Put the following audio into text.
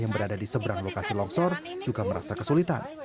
yang berada di seberang lokasi longsor juga merasa kesulitan